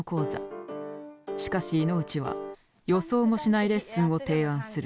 しかし井内は予想もしないレッスンを提案する。